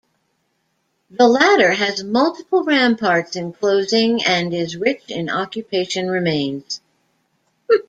The latter has multiple ramparts enclosing and is rich in occupation remains.